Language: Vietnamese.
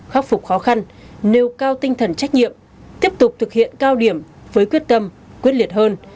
khắc phục khó khăn nêu cao tinh thần trách nhiệm tiếp tục thực hiện cao điểm với quyết tâm quyết liệt hơn